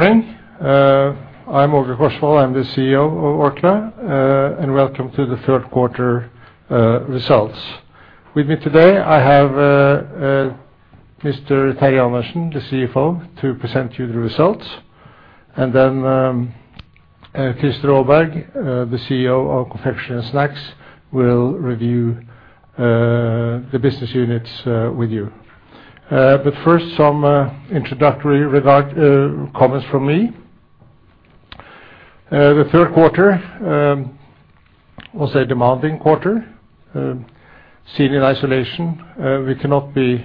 Morning. I'm Åge Korsvold, I'm the CEO of Orkla. Welcome to the third quarter results. With me today, I have Mr. Terje Andersen, the CFO, to present you the results. Christer Råberg, the CEO of Confectionery and Snacks, will review the business units with you. First, some introductory comments from me. The third quarter was a demanding quarter. Seen in isolation, we cannot be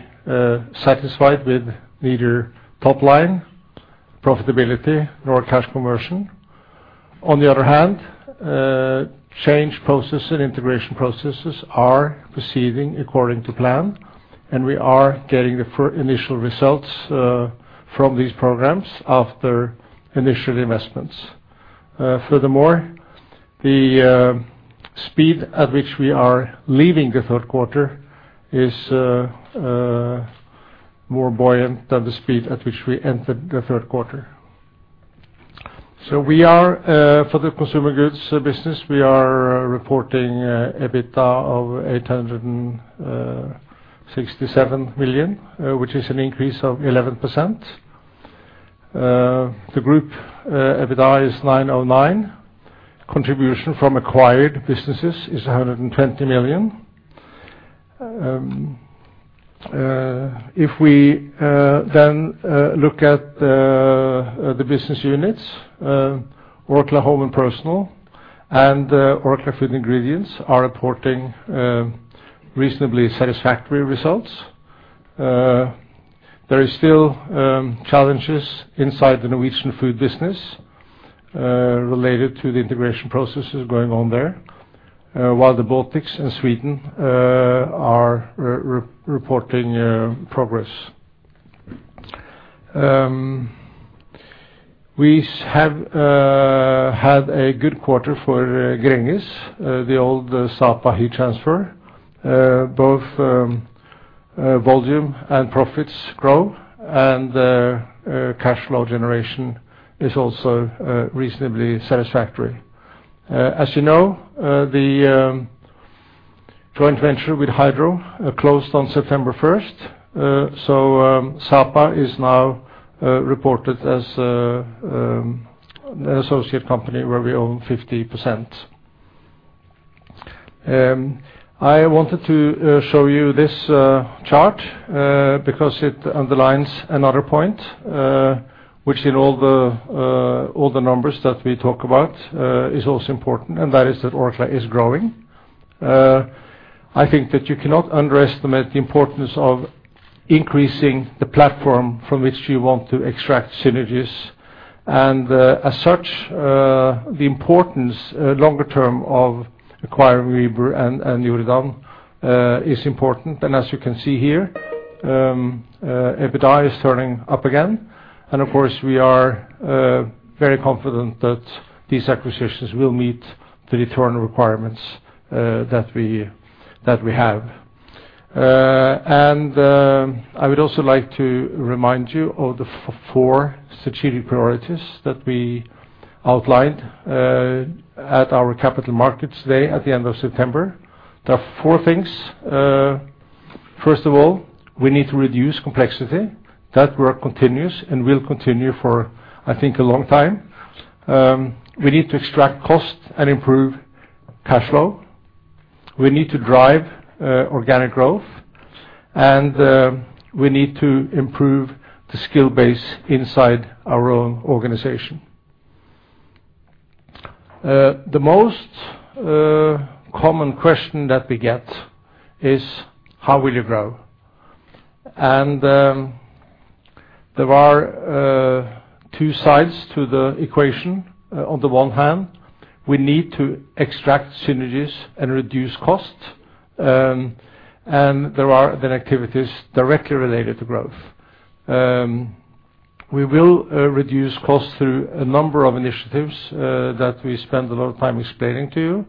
satisfied with neither top line profitability nor cash conversion. On the other hand, change processes and integration processes are proceeding according to plan, and we are getting the initial results from these programs after initial investments. Furthermore, the speed at which we are leaving the third quarter is more buoyant than the speed at which we entered the third quarter. For the consumer goods business, we are reporting EBITDA of 867 million, which is an increase of 11%. The group EBITDA is 909. Contribution from acquired businesses is 120 million. If we look at the business units, Orkla Home & Personal and Orkla Food Ingredients are reporting reasonably satisfactory results. There are still challenges inside the Norwegian food business related to the integration processes going on there, while the Baltics and Sweden are reporting progress. We have had a good quarter for Gränges, the old Sapa Heat Transfer. Both volume and profits grow, and cash flow generation is also reasonably satisfactory. As you know, the joint venture with Hydro closed on September 1st. Sapa is now reported as an associate company where we own 50%. I wanted to show you this chart because it underlines another point, which in all the numbers that we talk about is also important, and that is that Orkla is growing. I think that you cannot underestimate the importance of increasing the platform from which you want to extract synergies. As such, the importance longer term of acquiring Weber and Jordan is important. As you can see here, EBITDA is turning up again. Of course, we are very confident that these acquisitions will meet the return requirements that we have. I would also like to remind you of the four strategic priorities that we outlined at our capital markets day at the end of September. There are four things. First of all, we need to reduce complexity. That work continues and will continue for, I think, a long time. We need to extract costs and improve cash flow. We need to drive organic growth. We need to improve the skill base inside our own organization. The most common question that we get is how will you grow? There are two sides to the equation. On the one hand, we need to extract synergies and reduce costs, and there are then activities directly related to growth. We will reduce costs through a number of initiatives that we spend a lot of time explaining to you.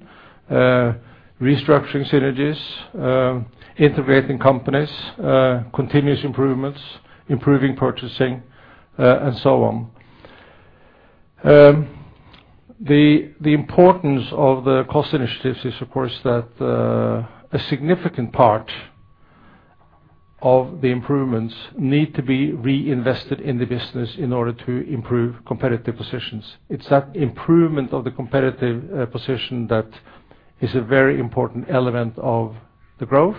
Restructuring synergies, integrating companies, continuous improvements, improving purchasing, and so on. The importance of the cost initiatives is, of course, that a significant part of the improvements need to be reinvested in the business in order to improve competitive positions. It is that improvement of the competitive position that is a very important element of the growth.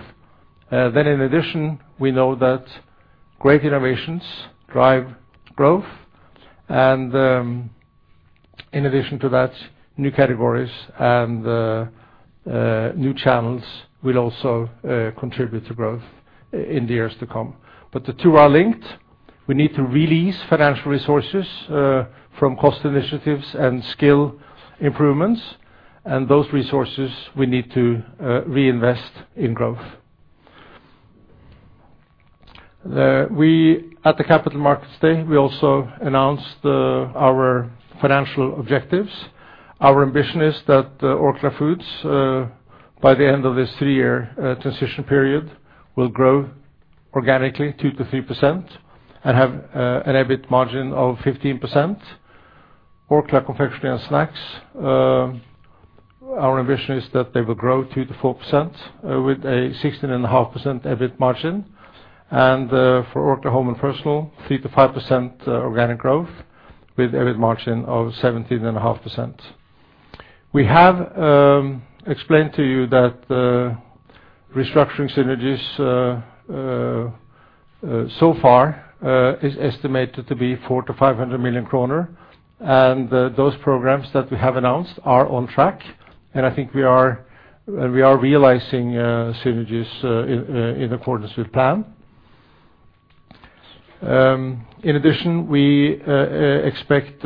In addition, we know that great innovations drive growth, and in addition to that, new categories and new channels will also contribute to growth in the years to come. The two are linked. We need to release financial resources from cost initiatives and skill improvements, and those resources we need to reinvest in growth. At the Capital Markets Day, we also announced our financial objectives. Our ambition is that Orkla Foods, by the end of this three-year transition period, will grow organically 2%-3% and have an EBIT margin of 15%. Orkla Confectionery & Snacks, our ambition is that they will grow 2%-4% with a 16.5% EBIT margin. For Orkla Home & Personal, 3%-5% organic growth with EBIT margin of 17.5%. We have explained to you that the restructuring synergies so far is estimated to be 400 million-500 million kroner, and those programs that we have announced are on track. I think we are realizing synergies in accordance with plan. In addition, we expect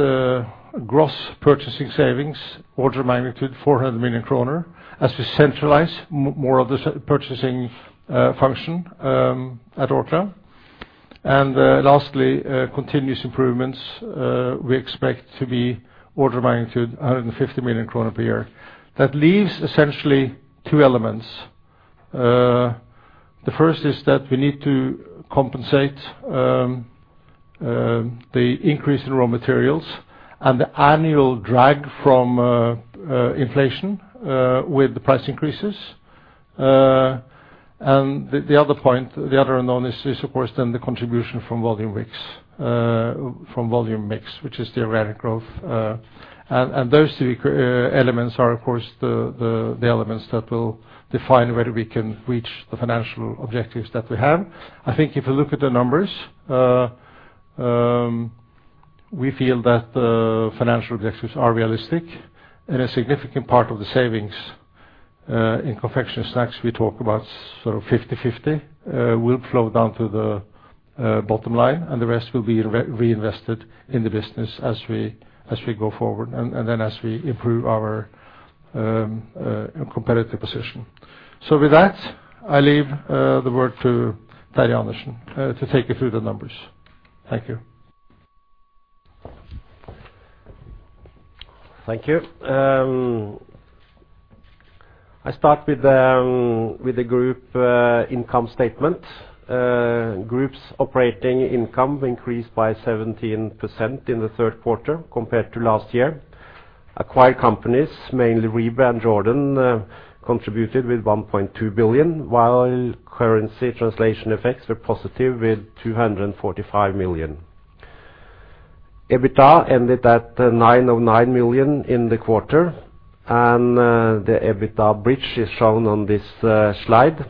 gross purchasing savings order magnitude 400 million kroner as we centralize more of the purchasing function at Orkla. Lastly, continuous improvements we expect to be order magnitude 150 million kroner per year. That leaves essentially two elements. The first is that we need to compensate the increase in raw materials and the annual drag from inflation with the price increases. The other unknown is, of course, then the contribution from volume mix, which is the organic growth. Those three elements are, of course, the elements that will define whether we can reach the financial objectives that we have. I think if you look at the numbers, we feel that the financial objectives are realistic and a significant part of the savings in Confectionery & Snacks we talk about, 50/50 will flow down to the bottom line, and the rest will be reinvested in the business as we go forward, and then as we improve our competitive position. With that, I leave the word to Terje Andersen to take you through the numbers. Thank you. Thank you. I start with the group income statement. Group's operating income increased by 17% in the third quarter compared to last year. Acquired companies, mainly Rieber & Søn and Jordan, contributed with 1.2 billion, while currency translation effects were positive with 245 million. EBITDA ended at 909 million in the quarter. The EBITDA bridge is shown on this slide.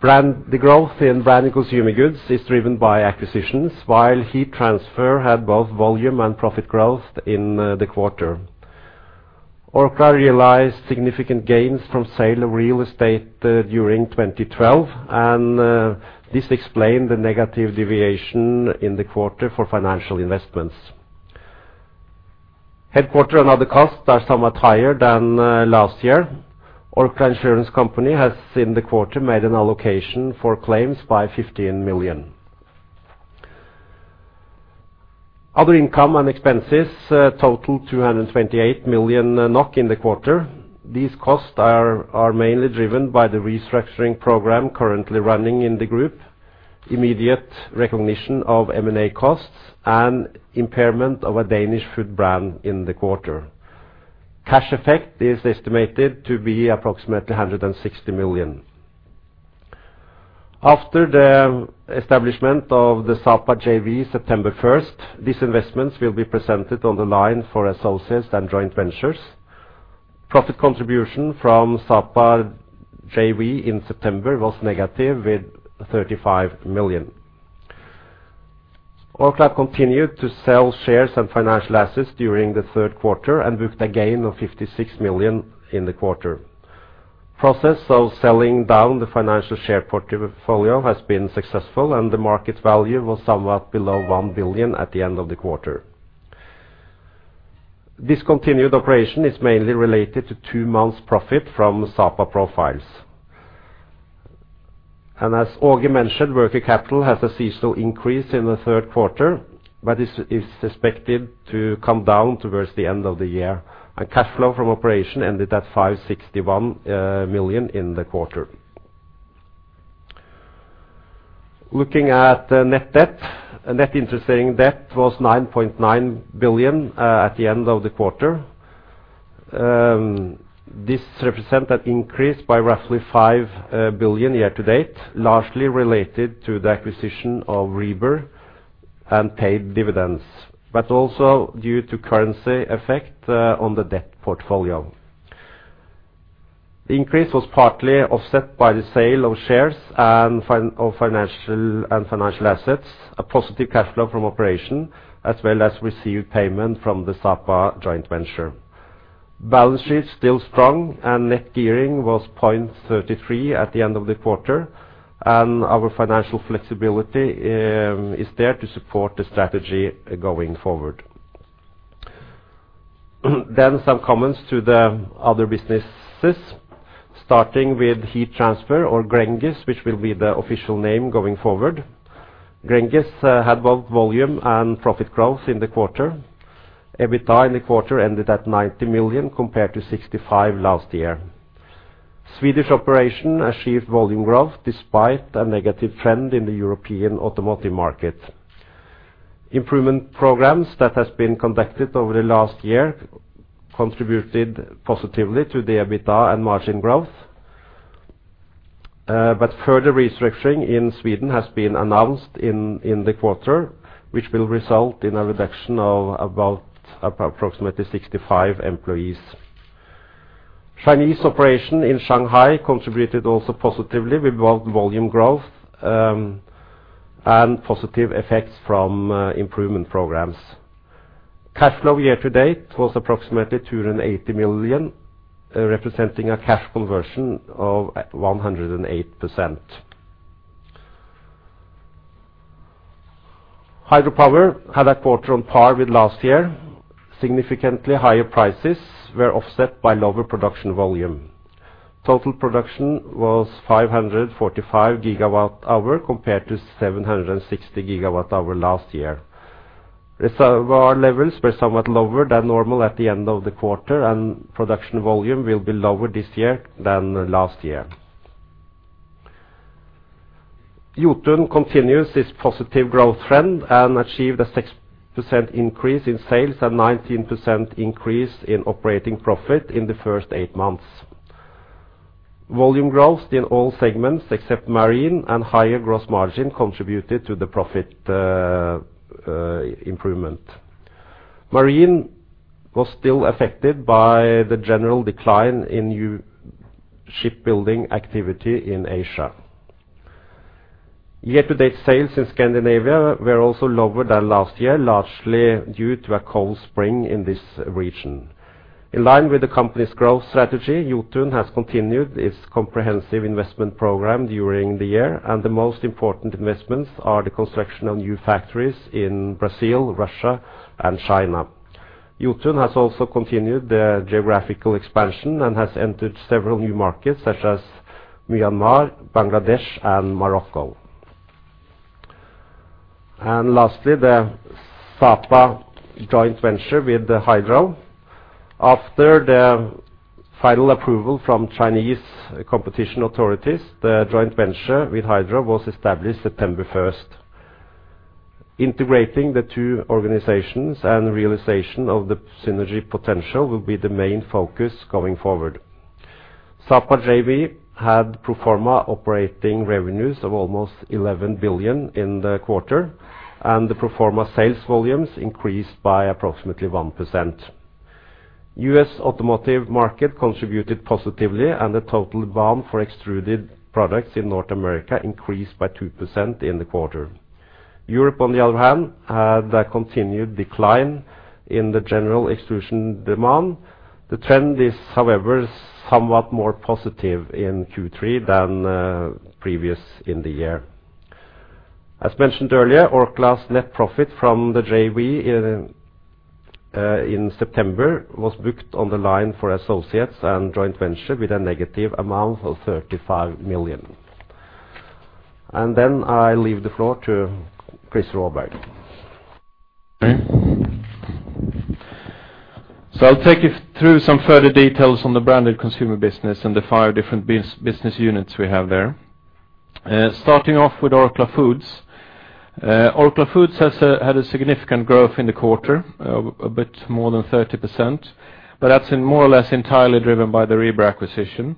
The growth in Branded Consumer Goods is driven by acquisitions, while Heat Transfer had both volume and profit growth in the quarter. Orkla realized significant gains from sale of real estate during 2012. This explained the negative deviation in the quarter for financial investments. Headquarter and other costs are somewhat higher than last year. Orkla Insurance Company DAC has in the quarter made an allocation for claims by 15 million. Other income and expenses total 228 million NOK in the quarter. These costs are mainly driven by the restructuring program currently running in the group, immediate recognition of M&A costs, and impairment of a Danish food brand in the quarter. Cash effect is estimated to be approximately 160 million. After the establishment of the Sapa JV September 1, these investments will be presented on the line for associates and joint ventures. Profit contribution from Sapa JV in September was negative with 35 million. Orkla continued to sell shares and financial assets during the third quarter and booked a gain of 56 million in the quarter. Process of selling down the financial share portfolio has been successful, and the market value was somewhat below 1 billion at the end of the quarter. Discontinued operation is mainly related to 2 months' profit from Sapa Profiles. As Åge mentioned, working capital has a seasonal increase in the third quarter, but is expected to come down towards the end of the year. Cash flow from operation ended at 561 million in the quarter. Looking at net debt. Net interest-bearing debt was 9.9 billion at the end of the quarter. This represents an increase by roughly 5 billion year to date, largely related to the acquisition of Rieber and paid dividends, but also due to currency effect on the debt portfolio. The increase was partly offset by the sale of shares and financial assets, a positive cash flow from operation, as well as received payment from the Sapa joint venture. Balance sheet is still strong, net gearing was 0.33 at the end of the quarter, and our financial flexibility is there to support the strategy going forward. Some comments to the other businesses, starting with Heat Transfer or Gränges, which will be the official name going forward. Gränges had both volume and profit growth in the quarter. EBITDA in the quarter ended at 90 million, compared to 65 million last year. Swedish operation achieved volume growth despite a negative trend in the European automotive market. Improvement programs that have been conducted over the last year contributed positively to the EBITDA and margin growth. Further restructuring in Sweden has been announced in the quarter, which will result in a reduction of approximately 65 employees. Chinese operation in Shanghai contributed also positively with both volume growth and positive effects from improvement programs. Cash flow year-to-date was approximately 280 million, representing a cash conversion of 108%. Hydropower had a quarter on par with last year. Significantly higher prices were offset by lower production volume. Total production was 545 gigawatt-hour, compared to 760 gigawatt-hour last year. Reservoir levels were somewhat lower than normal at the end of the quarter, production volume will be lower this year than last year. Jotun continues its positive growth trend and achieved a 6% increase in sales and 19% increase in operating profit in the first 8 months. Volume growth in all segments, except Marine and higher gross margin, contributed to the profit improvement. Marine was still affected by the general decline in new shipbuilding activity in Asia. Year-to-date sales in Scandinavia were also lower than last year, largely due to a cold spring in this region. In line with the company's growth strategy, Jotun has continued its comprehensive investment program during the year, the most important investments are the construction of new factories in Brazil, Russia, and China. Jotun has also continued the geographical expansion and has entered several new markets, such as Myanmar, Bangladesh, and Morocco. Lastly, the Sapa joint venture with Hydro. After the final approval from Chinese competition authorities, the joint venture with Hydro was established September 1. Integrating the two organizations and realization of the synergy potential will be the main focus going forward. Sapa JV had pro forma operating revenues of almost 11 billion in the quarter, and the pro forma sales volumes increased by approximately 1%. U.S. automotive market contributed positively, and the total volume for extruded products in North America increased by 2% in the quarter. Europe, on the other hand, had a continued decline in the general extrusion demand. The trend is, however, somewhat more positive in Q3 than previous in the year. As mentioned earlier, Orkla's net profit from the JV in September was booked on the line for associates and joint venture with a negative amount of 35 million. I leave the floor to Christer Råberg. I'll take you through some further details on the Branded Consumer business and the 5 different business units we have there. Starting off with Orkla Foods. Orkla Foods has had a significant growth in the quarter, a bit more than 30%, but that's more or less entirely driven by the Rieber acquisition,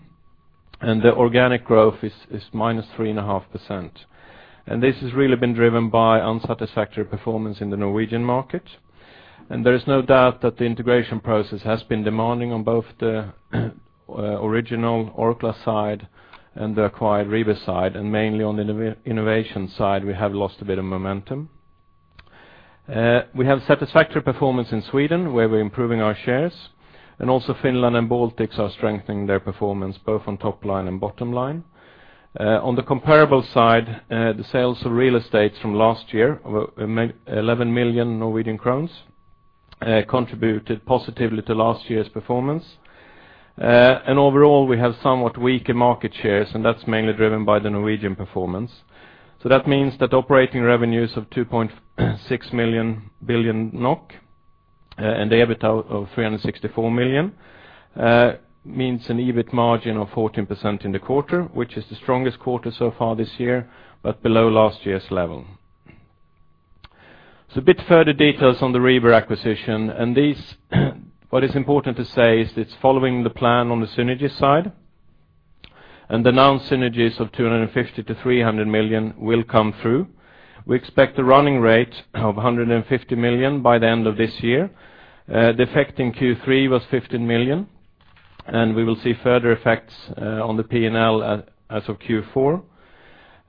and the organic growth is minus 3.5%. This has really been driven by unsatisfactory performance in the Norwegian market. There is no doubt that the integration process has been demanding on both the original Orkla side and the acquired Rieber side, and mainly on the innovation side, we have lost a bit of momentum. We have satisfactory performance in Sweden, where we're improving our shares. Also Finland and Baltics are strengthening their performance, both on top line and bottom line. On the comparable side, the sales of real estate from last year, 11 million Norwegian crowns, contributed positively to last year's performance. Overall, we have somewhat weaker market shares, and that's mainly driven by the Norwegian performance. That means that operating revenues of 2.6 billion NOK and the EBITDA of 364 million, means an EBIT margin of 14% in the quarter, which is the strongest quarter so far this year, but below last year's level. A bit further details on the Rieber acquisition. What is important to say is it's following the plan on the synergy side. The synergies of 250 million-300 million will come through. We expect a running rate of 150 million by the end of this year. The effect in Q3 was 15 million, and we will see further effects on the P&L as of Q4.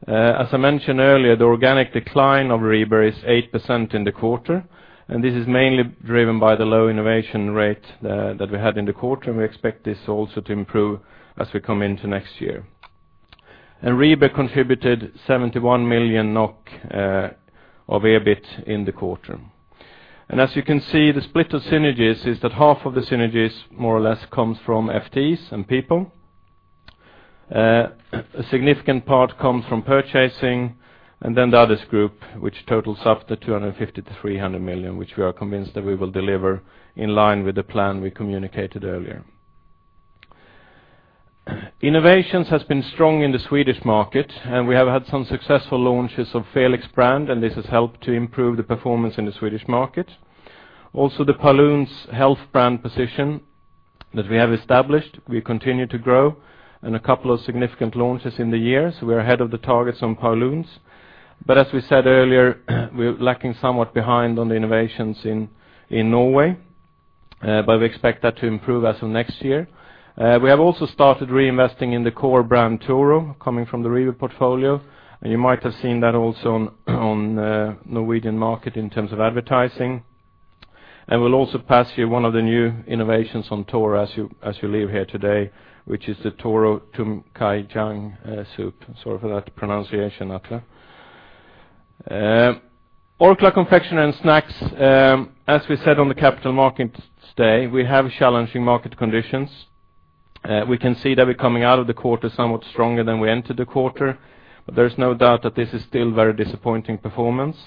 As I mentioned earlier, the organic decline of Rieber is 8% in the quarter. This is mainly driven by the low innovation rate that we had in the quarter. We expect this also to improve as we come into next year. Rieber contributed 71 million NOK of EBIT in the quarter. As you can see, the split of synergies is that half of the synergies more or less comes from FTEs and people. A significant part comes from purchasing. The others group totals up to 250 million-300 million, which we are convinced that we will deliver in line with the plan we communicated earlier. Innovations has been strong in the Swedish market. We have had some successful launches of Felix. This has helped to improve the performance in the Swedish market. The Paulúns health brand position that we have established, we continue to grow. A couple of significant launches in the year, we are ahead of the targets on Paulúns. As we said earlier, we're lacking somewhat behind on the innovations in Norway. We expect that to improve as of next year. We have also started reinvesting in the core brand Toro, coming from the Rieber portfolio. You might have seen that also on Norwegian market in terms of advertising. We'll also pass you one of the new innovations on Toro as you leave here today, which is the Toro Tom Kha Gai. Sorry for that pronunciation, Atle. Orkla Confectionery & Snacks, as we said on the Capital Markets Day, we have challenging market conditions. We can see that we're coming out of the quarter somewhat stronger than we entered the quarter. There's no doubt that this is still very disappointing performance.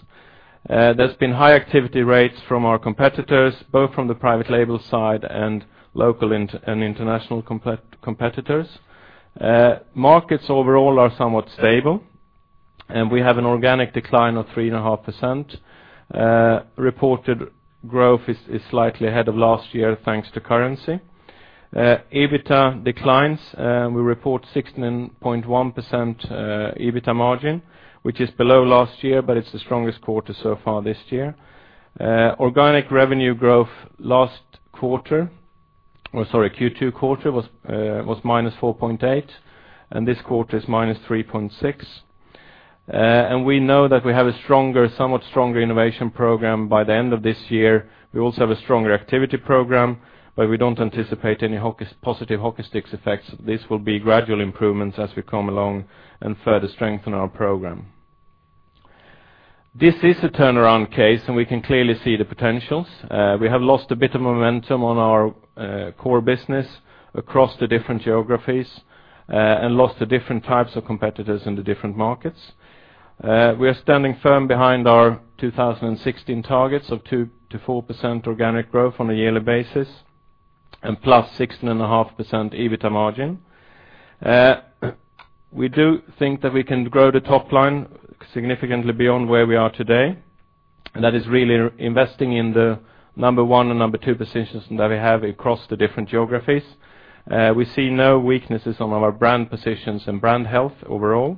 There's been high activity rates from our competitors, both from the private label side and local and international competitors. Markets overall are somewhat stable. We have an organic decline of 3.5%. Reported growth is slightly ahead of last year, thanks to currency. EBITDA declines. We report 16.1% EBITDA margin, which is below last year, but it's the strongest quarter so far this year. Organic revenue growth Q2 was -4.8%. This quarter is -3.6%. We know that we have a somewhat stronger innovation program by the end of this year. We also have a stronger activity program. We don't anticipate any positive hockey sticks effects. This will be gradual improvements as we come along and further strengthen our program. This is a turnaround case. We can clearly see the potentials. We have lost a bit of momentum on our core business across the different geographies and lost to different types of competitors in the different markets. We are standing firm behind our 2016 targets of 2%-4% organic growth on a yearly basis and +16.5% EBIT margin. We do think that we can grow the top line significantly beyond where we are today. That is really investing in the number 1 and number 2 positions that we have across the different geographies. We see no weaknesses on our brand positions and brand health overall.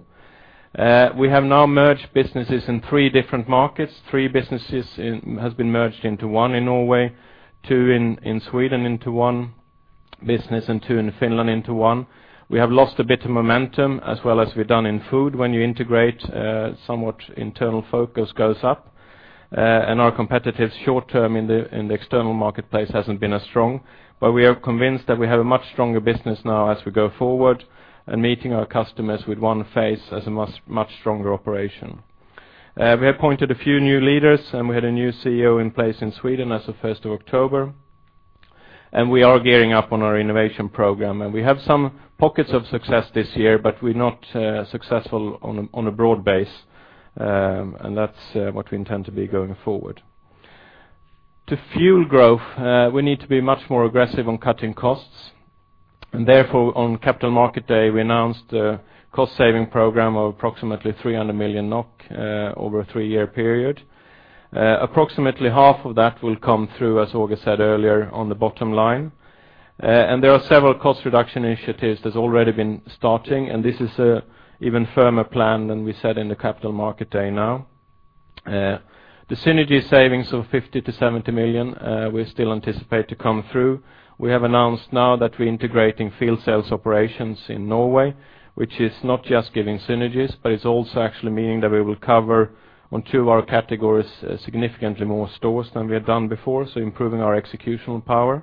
We have now merged businesses in three different markets. Three businesses has been merged into one in Norway, two in Sweden into one business, and two in Finland into one. We have lost a bit of momentum as well as we've done in food. When you integrate, somewhat internal focus goes up, and our competitive short term in the external marketplace hasn't been as strong. We are convinced that we have a much stronger business now as we go forward and meeting our customers with one face as a much stronger operation. We have appointed a few new leaders, and we had a new CEO in place in Sweden as of 1st of October. We are gearing up on our innovation program. We have some pockets of success this year, but we're not successful on a broad base, and that's what we intend to be going forward. To fuel growth, we need to be much more aggressive on cutting costs. Therefore, on Capital Market Day, we announced a cost-saving program of approximately 300 million NOK over a three-year period. Approximately half of that will come through, as Åge said earlier, on the bottom line. There are several cost reduction initiatives that's already been starting, and this is an even firmer plan than we said in the Capital Market Day now. The synergy savings of 50 million-70 million, we still anticipate to come through. We have announced now that we're integrating field sales operations in Norway, which is not just giving synergies, but it's also actually meaning that we will cover on two of our categories, significantly more stores than we have done before, so improving our executional power.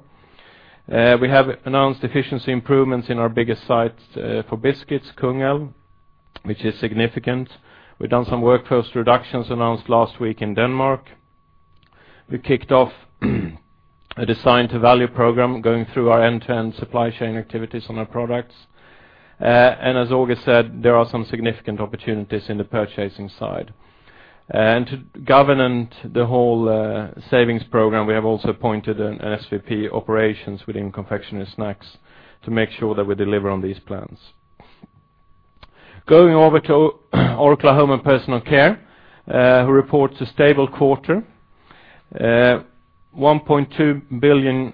We have announced efficiency improvements in our biggest site for biscuits, Kungälv, which is significant. We've done some workforce reductions announced last week in Denmark. We kicked off a Design to Value program going through our end-to-end supply chain activities on our products. As Åge said, there are some significant opportunities in the purchasing side. To govern the whole savings program, we have also appointed an SVP operations within Confectionery & Snacks to make sure that we deliver on these plans. Going over to Orkla Home & Personal Care, who reports a stable quarter. 1.2 billion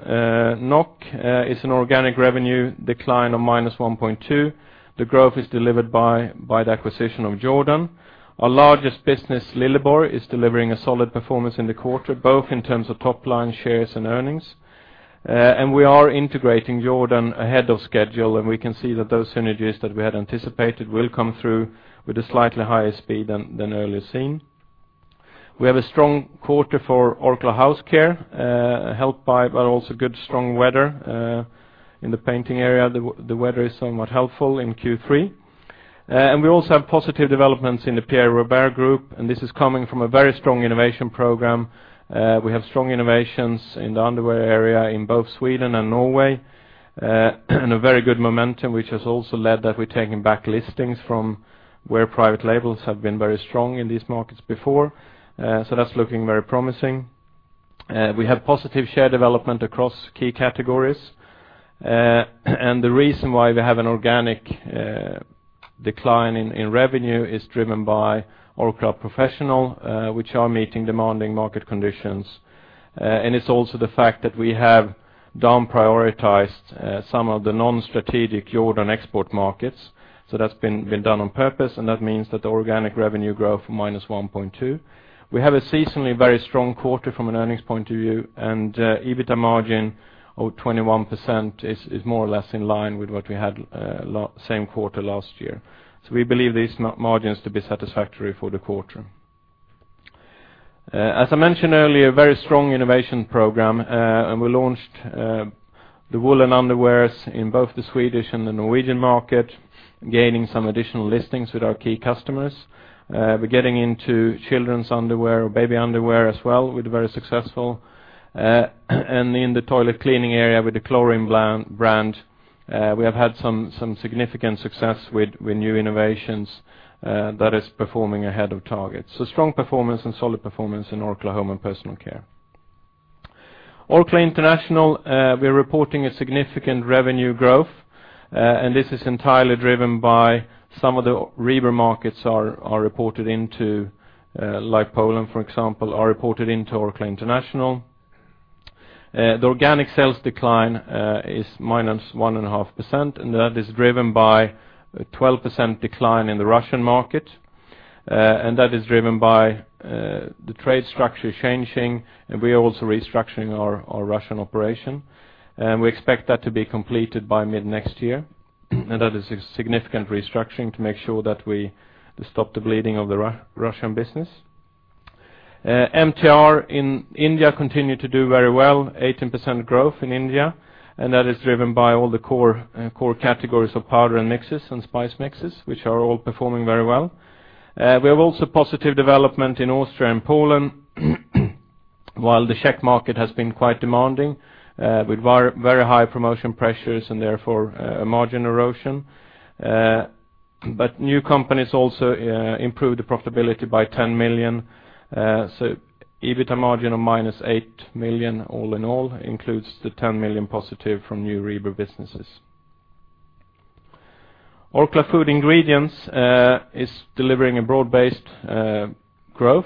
NOK is an organic revenue decline of -1.2%. The growth is delivered by the acquisition of Jordan. Our largest business, Lilleborg, is delivering a solid performance in the quarter, both in terms of top line shares and earnings. We are integrating Jordan ahead of schedule, and we can see that those synergies that we had anticipated will come through with a slightly higher speed than earlier seen. We have a strong quarter for Orkla House Care, helped by also good strong weather in the painting area. The weather is somewhat helpful in Q3. We also have positive developments in the Pierre Robert Group, and this is coming from a very strong innovation program. We have strong innovations in the underwear area in both Sweden and Norway, and a very good momentum, which has also led that we're taking back listings from where private labels have been very strong in these markets before. That's looking very promising. We have positive share development across key categories. The reason why we have an organic decline in revenue is driven by Orkla Professional, which are meeting demanding market conditions. It's also the fact that we have down prioritized some of the non-strategic Jordan export markets. That's been done on purpose, that means that the organic revenue growth, minus 1.2%. We have a seasonally very strong quarter from an earnings point of view, and EBITDA margin of 21% is more or less in line with what we had same quarter last year. We believe these margins to be satisfactory for the quarter. As I mentioned earlier, a very strong innovation program, and we launched the woolen underwears in both the Swedish and the Norwegian market, gaining some additional listings with our key customers. We're getting into children's underwear or baby underwear as well, we're very successful. In the toilet cleaning area with the Klorin brand, we have had some significant success with new innovations that is performing ahead of target. Strong performance and solid performance in Orkla Home & Personal Care. Orkla International, we're reporting a significant revenue growth. This is entirely driven by some of the Rieber markets are reported into, like Poland, for example, are reported into Orkla International. The organic sales decline is minus 1.5%. That is driven by a 12% decline in the Russian market. That is driven by the trade structure changing. We are also restructuring our Russian operation. We expect that to be completed by mid-next year. That is a significant restructuring to make sure that we stop the bleeding of the Russian business. MTR in India continued to do very well, 18% growth in India. That is driven by all the core categories of powder and mixes and spice mixes, which are all performing very well. We have also positive development in Austria and Poland, while the Czech market has been quite demanding, with very high promotion pressures and therefore margin erosion. New companies also improved the profitability by 10 million. EBITDA margin of minus 8 million all in all includes the 10 million positive from new Rieber businesses. Orkla Food Ingredients is delivering a broad-based growth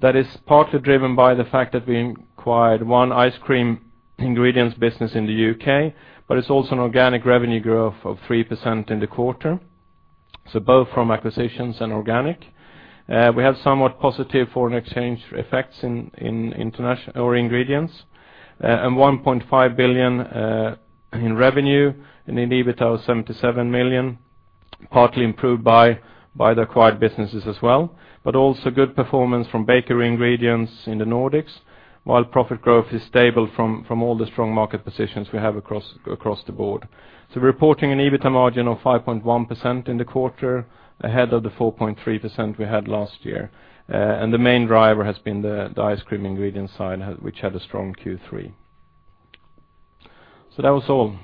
that is partly driven by the fact that we acquired one ice cream ingredients business in the U.K., but it's also an organic revenue growth of 3% in the quarter. Both from acquisitions and organic. We have somewhat positive foreign exchange effects in Orkla Ingredients. 1.5 billion in revenue, and the EBITDA was 77 million, partly improved by the acquired businesses as well. Also good performance from bakery ingredients in the Nordics, while profit growth is stable from all the strong market positions we have across the board. We're reporting an EBITDA margin of 5.1% in the quarter, ahead of the 4.3% we had last year. The main driver has been the ice cream ingredient side, which had a strong Q3. That was all.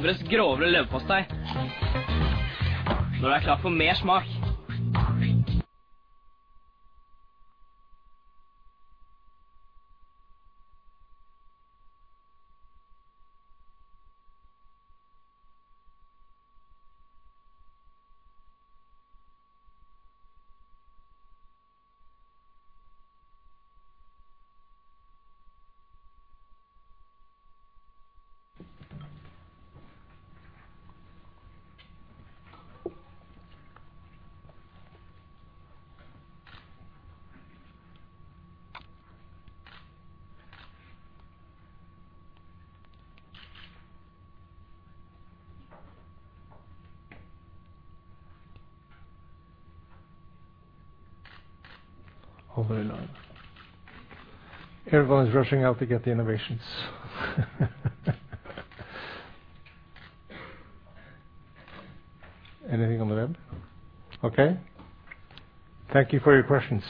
Over and out. Everyone is rushing out to get the innovations. Anything on the web? Okay. Thank you for your questions